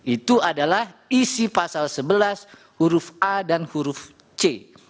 itu adalah isi pasal sebelas huruf a dan huruf c